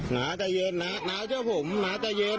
น้าใจเย็นน้าเจ้าผมน้าใจเย็น